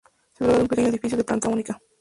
Se trata de un pequeño edificio de planta única.